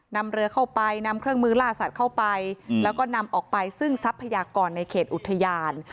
นำเรือเข้าไปนำเครื่องมือล่าสัตว์เข้าไปแล้วก็นำออกไปซึ่งทรัพยากรในเขตอุทยาน